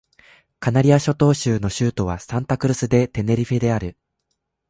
カナリア諸島州の州都はサンタ・クルス・デ・テネリフェである